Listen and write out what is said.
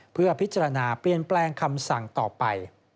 เพื่อพิจารณาเปลี่ยนแปลงคำสั่งต่อไป